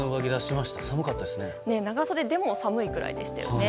長袖でも寒いくらいでしたね。